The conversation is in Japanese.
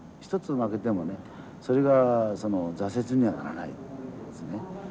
一つ負けてもねそれが挫折にはならないですね。